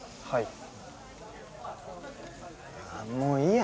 はい。